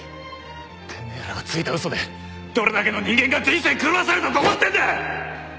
てめえらがついた嘘でどれだけの人間が人生狂わされたと思ってんだ！